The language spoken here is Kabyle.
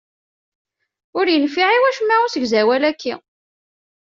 Ur yenfiɛ i wacemma usegzawal-aki.